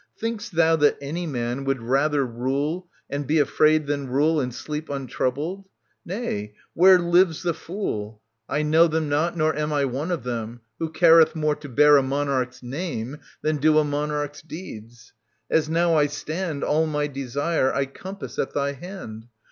Think'st thou that any man Would rather rule and be afraid than rule And sleep untroubled \ Nay, where lives the fool — 3^ c SOPHOCLES T». S90 613 I know them not nor am I one of them — Who careth more to bear a monarch's name Than do a monarch's deeds ? As now I stand All my desire I compass at thy hand.